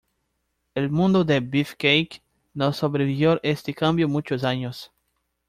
El mundo del "beefcake" no sobrevivió este cambio muchos años.